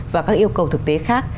và các yêu cầu thực tế khác